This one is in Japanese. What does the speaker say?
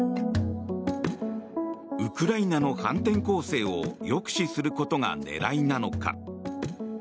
ウクライナの反転攻勢を抑止することが狙いなのか。